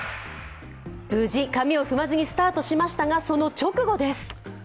無事、髪を踏まずにスタートしましたが、その直後です。